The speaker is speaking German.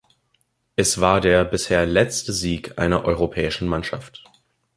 Es war der bisher letzte Sieg einer europäischen Mannschaft.